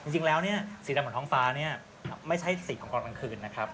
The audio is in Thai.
จริงแล้วสีดำของท้องฟ้าไม่ใช่สีของกรองกลางคืนนะครับ